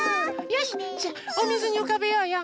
よしじゃあおみずにうかべようよ！